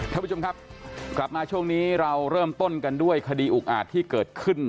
ท่านผู้ชมครับกลับมาช่วงนี้เราเริ่มต้นกันด้วยคดีอุกอาจที่เกิดขึ้น